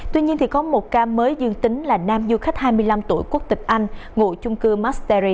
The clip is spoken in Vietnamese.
tuy nhiên thì có một ca mới dương tính là nam du khách hai mươi năm tuổi quốc tịch anh ngụ trung cư mastery